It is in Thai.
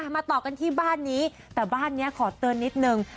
มาต่อกันที่บ้านนี้แต่บ้านนี้ขอเตือนนิดนึง